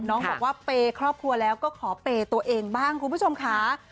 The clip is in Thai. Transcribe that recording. น้องบอกว่าเปย์ครอบครัวแล้วก็ขอเปย์ตัวเองบ้างคุณผู้ชมค่ะ